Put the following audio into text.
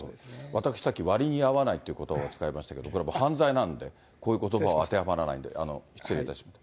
私、さっき割に合わないということばを使いましたけど、これは犯罪なので、こういうことばは当てはまらないんで、失礼いたしました。